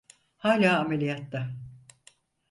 Hâlâ ameliyatta.